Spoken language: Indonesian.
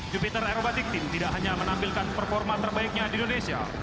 jupiter aerobatic team tidak hanya menampilkan performa terbaiknya di indonesia